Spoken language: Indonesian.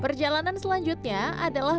perjalanan selanjutnya adalah